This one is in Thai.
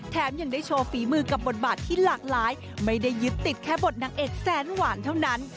ยังได้โชว์ฝีมือกับบทบาทที่หลากหลายไม่ได้ยึดติดแค่บทนางเอกแสนหวานเท่านั้น